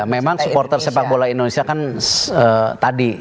memang supporter sepak bola indonesia kan tadi